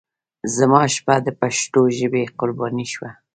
زما شپه د پښتو ژبې قرباني شوه.